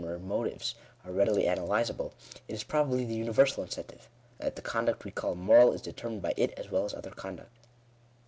v — 81 to action where motives are readily analyzable, it is probably the universal incentive; and that the conduct we call moral is determined by it as well as other conduct.